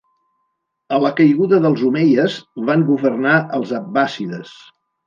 A la caiguda dels omeies van governar els abbàssides.